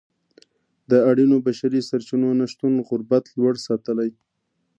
د اړینو بشري سرچینو نشتون غربت لوړ ساتلی.